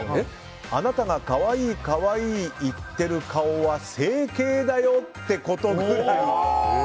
あなたが可愛い可愛い言ってる顔は整形だよってことくらい。